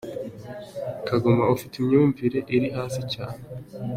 Kagoma, ufite imyumvire iri hasi cyane.